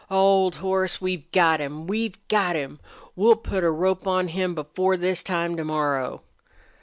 "Old horse, we've got him! We've got him! We'll put a rope on him before this time to morrow!"